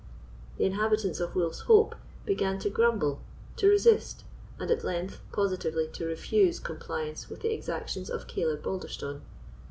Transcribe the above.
The inhabitants of Wolf's Hope began to grumble, to resist, and at length positively to refuse compliance with the exactions of Caleb Balderstone.